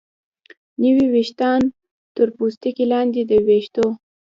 نوي ویښتان تر پوستکي لاندې د ویښتو